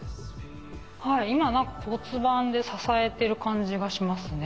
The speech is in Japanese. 今何か骨盤で支えてる感じがしますね。